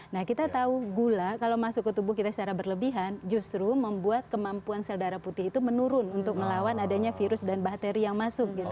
nah kita tahu gula kalau masuk ke tubuh kita secara berlebihan justru membuat kemampuan sel darah putih itu menurun untuk melawan adanya virus dan bakteri yang masuk gitu